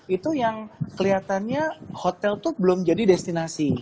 itu yang kelihatannya hotel itu belum jadi destinasi